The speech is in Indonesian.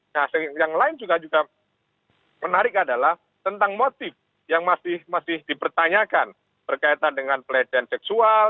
nah yang lain juga juga menarik adalah tentang motif yang masih dipertanyakan berkaitan dengan pelecehan seksual